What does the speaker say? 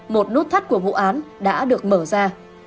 một nút thắt của vụ án đã được mở ra